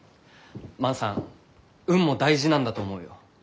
万さん運も大事なんだと思うよ。